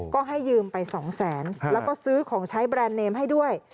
ก็ให้ยืมไป๒แสนแล้วก็ซื้อของใช้แบรนด์เนมให้ด้วย